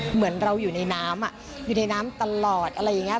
เหมือนเราอยู่ในน้ำอยู่ในน้ำตลอดอะไรอย่างนี้